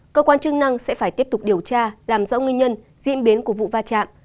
cơ quan chức năng sẽ phải tiếp tục điều tra làm rõ nguyên nhân diễn biến của vụ va chạm